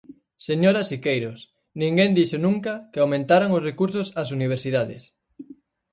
Señora Siqueiros, ninguén dixo nunca que aumentaran os recursos ás universidades.